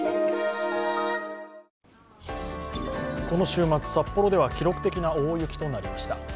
この週末、札幌では記録的な大雪となりました。